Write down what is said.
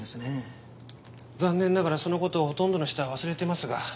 残念ながらその事をほとんどの人は忘れていますが。